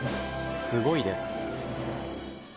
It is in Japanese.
すごいです。